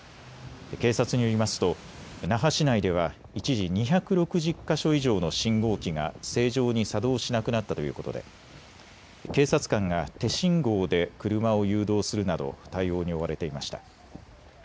警察によりますと那覇市内では一時２６０か所以上の信号機が正常に作動しなくなったということで警察官が手信号で車を誘導するなど対応に追われていました。